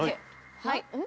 はい。